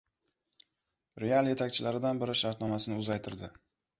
"Real" yetakchilaridan biri shartnomasini uzaytirdi